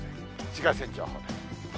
紫外線情報です。